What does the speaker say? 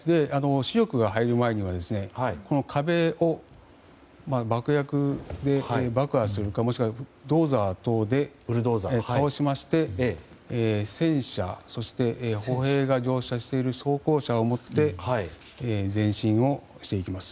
主力が入る前には壁を爆薬で爆破するかもしくはブルドーザーなどで倒しまして戦車や歩兵が乗車している装甲車で前進をしていきます。